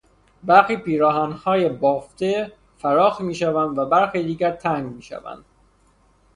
برخی پیراهنهای بافته فراخ میشوند و برخی دیگر تنگ میشوند.